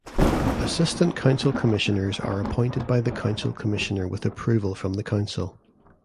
Assistant council commissioners are appointed by the council commissioner with approval from the council.